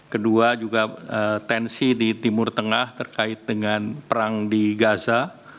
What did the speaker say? kedua juga tensi di timur tengah terkait dengan perang di gaza